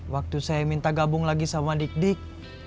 waktu saya minta gabung lagi sama dik dik